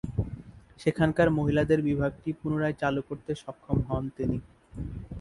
সেখানকার মহিলাদের বিভাগটি পুনরায় চালু করতে সক্ষম হন তিনি।